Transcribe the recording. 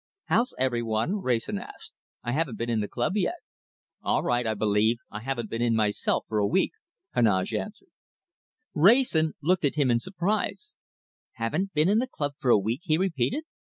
"How's every one?" Wrayson asked. "I haven't been in the club yet." "All right, I believe. I haven't been in myself for a week," Heneage answered. Wrayson looked at him in surprise. "Haven't been in the club for a week?" he repeated.